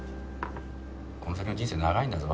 この先の人生長いんだぞ。